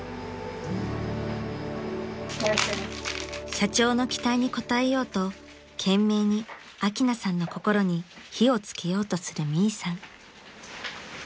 ［社長の期待に応えようと懸命にアキナさんの心に火を付けようとするミイさん］